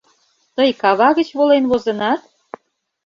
Тый кава гыч волен возынат?